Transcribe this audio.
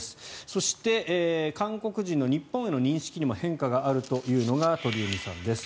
そして韓国人の日本への認識にも変化があるというのが鳥海さんです。